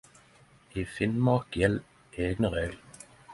I Finnmark gjeld eigne reglar.